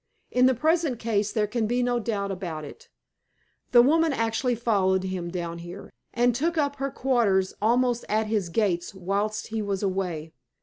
In the present case there can be no doubt about it. The woman actually followed him down here, and took up her quarters almost at his gates whilst he was away.